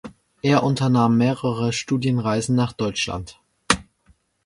Er unternahm mehrere Studienreisen nach Deutschland.